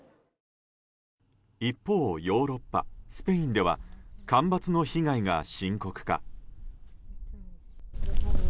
一方、ヨーロッパ・スペインでは干ばつの被害が深刻化。